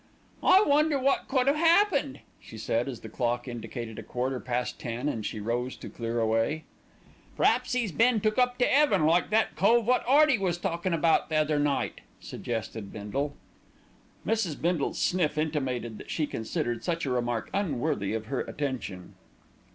"I wonder what could have happened?" she said as the clock indicated a quarter past ten and she rose to clear away. "P'raps 'e's been took up to 'eaven like that cove wot 'Earty was talkin' about the other night," suggested Bindle. Mrs. Bindle's sniff intimated that she considered such a remark unworthy of her attention.